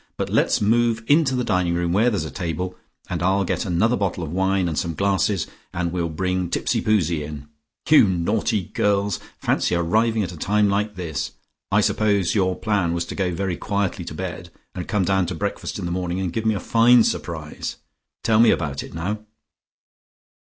But let's move into the dining room, where there's a table, and I'll get another bottle of wine, and some glasses, and we'll bring Tipsipoozie in. You naughty girls, fancy arriving at a time like this. I suppose your plan was to go very quietly to bed, and come down to breakfast in the morning, and give me a fine surprise. Tell me about it now."